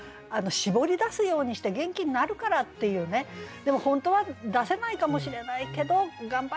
絞り出すようにして元気になるからっていうねでも本当は出せないかもしれないけど頑張るっていうね。